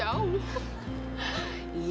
aku nantinin megan kesana kok